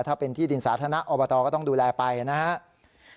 ถ้าเป็นที่ดินสาธารณะอบตก็ต้องดูแลไปนะครับ